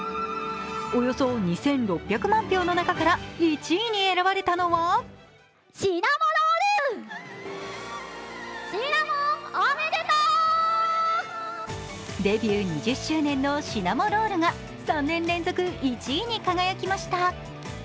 およそ２６００万票の中から１位に選ばれたのはデビュー２０周年のシナモロールが３年連続、１位に輝きました。